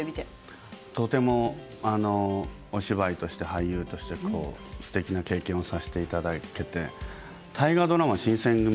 とてもお芝居として、俳優としてすてきな経験をさせていただけて大河ドラマ「新選組！」